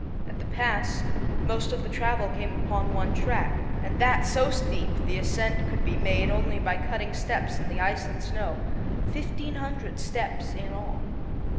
At the pass, most of the travel came upon one track, and that so steep the ascent could be made only by cutting steps in the ice and snow fifteen hundred steps in all.